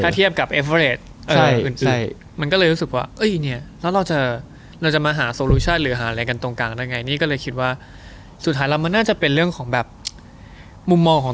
เพราะว่ามันก็อยู่ในค่ายมีทุนที่คันของสูง